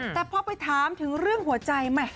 แต่พอไปถามถึงหัวใจไม่